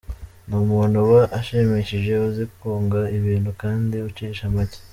Ni umuntu uba ashimishije ,uzi kunga abantu kandi ucisha make.